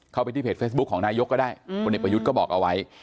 ไปที่เพจเฟซบุ๊คของนายกก็ได้คนเอกประยุทธ์ก็บอกเอาไว้